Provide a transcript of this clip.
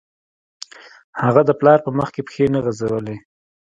هغه د پلار په مخکې پښې نه غځولې